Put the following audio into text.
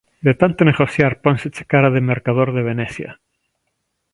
De tanto negociar pónseche cara de mercador de Venecia.